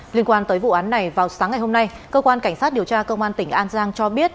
liên quan tới vụ án này vào sáng ngày hôm nay cơ quan cảnh sát điều tra công an tỉnh an giang cho biết